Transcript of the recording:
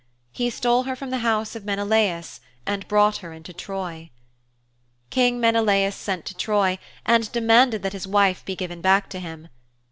He stole her from the house of Menelaus and brought her into Troy. King Menelaus sent to Troy and demanded that his wife be given back to him.